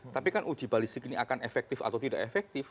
tapi kan uji balistik ini akan efektif atau tidak efektif